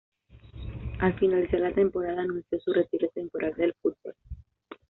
Al finalizar la temporada anunció su retiro temporal del fútbol.